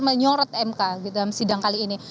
menyorot mk dalam sidang kali ini